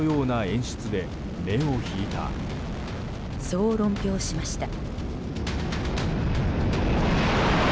そう論評しました。